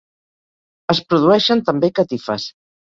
Es produeixen també catifes.